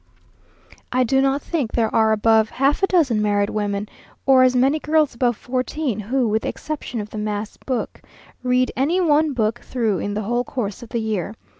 I do not think there are above half a dozen married women, or as many girls above fourteen, who, with the exception of the mass book, read any one book through in the whole course of the year.